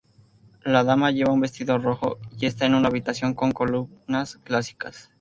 La Dama lleva un vestido rojo, y está en una habitación con columnas clásicas.